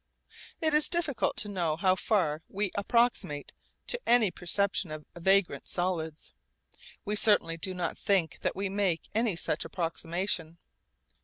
It is difficult to know how far we approximate to any perception of vagrant solids. We certainly do not think that we make any such approximation.